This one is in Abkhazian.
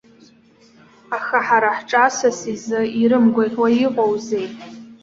Аха, ҳара ҳҿы, асас изы ирымгәаӷьуа иҟоузеи.